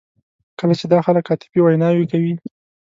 کله چې دا خلک عاطفي ویناوې کوي.